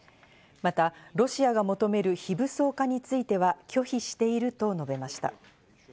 またロシアが求める非武装化については拒否していると述べました。